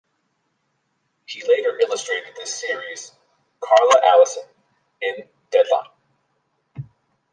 He later illustrated the series "Carla Allison" in "Deadline".